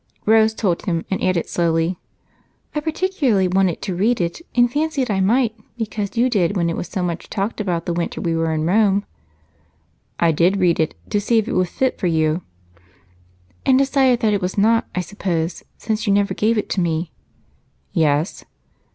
Rose told him, and added slowly, "I particularly wanted to read it, and fancied I might, because you did when it was so much talked about the winter we were in Rome." "I did read it to see if it was fit for you." "And decided that it was not, I suppose, since you never gave it to me!" "Yes."